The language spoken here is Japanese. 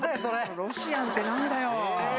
ロシアンってなんだよ。